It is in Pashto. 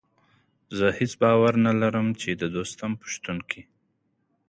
زه هېڅ باور نه لرم چې د دوستم په شتون کې.